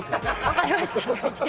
わかりました！